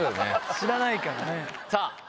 知らないからね。